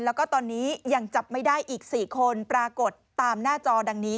แล้วก็ตอนนี้ยังจับไม่ได้อีก๔คนปรากฏตามหน้าจอดังนี้